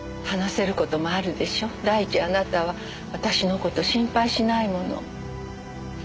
第一あなたは私の事心配しないもの。